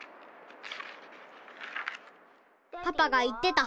パパが言ってた。